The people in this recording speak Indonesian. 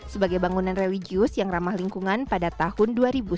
sebagai bangunan religius yang ramah lingkungan pada tahun dua ribu sembilan belas